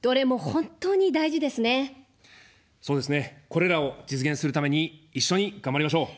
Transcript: これらを実現するために一緒に頑張りましょう。